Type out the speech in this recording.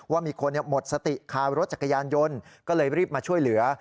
ว่ามีคนหมดสติคารถจักรยานยนต์ก็เลยรีบมาช่วยเหลือ